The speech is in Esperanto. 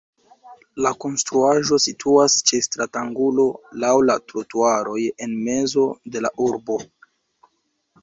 La konstruaĵo situas ĉe stratangulo laŭ la trotuaroj en mezo de la urbo.